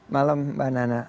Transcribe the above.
malam mbak nana